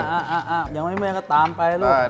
อ่าอย่างไม่เหมือนก็ตามไปหรอลูก